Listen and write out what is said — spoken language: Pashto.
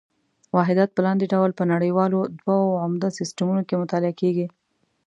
واحدات په لاندې ډول په نړیوالو دوو عمده سیسټمونو کې مطالعه کېږي.